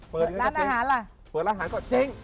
เปิดร้านอาหารก็เจ๊ง